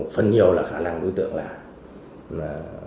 phần nhiều là khả năng đối tượng là